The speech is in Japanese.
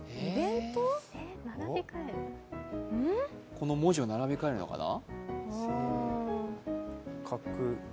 この文字を並び替えるのかな？